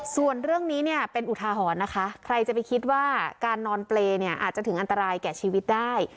ส่วนเรื่องนี้เนี่ยเป็นอุทาหรณ์นะคะใครจะไปคิดว่าการนอนเปรย์เนี่ยอาจจะถึงอันตรายแก่ชีวิตได้